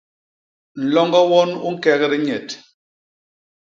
Nloñgo won u ñkek dinyet.